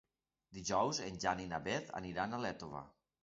Dijous en Jan i na Beth aniran a l'Énova.